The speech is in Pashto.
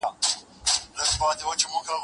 لویه جرګه کي د بې وزله کوچیانو استازیتوب څوک کوي؟